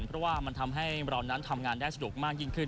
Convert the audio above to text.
เพราะว่ามันทำให้เรานั้นทำงานได้สะดวกมากยิ่งขึ้น